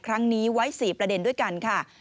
ครั้งนี้ไว้๔ประเด็นด้วยกันค่ะ